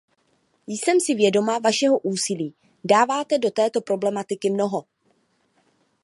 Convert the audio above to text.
Jsem si vědoma vašeho úsilí; dáváte do této problematiky mnoho.